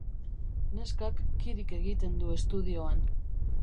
Neskak kirik egiten du estudioan.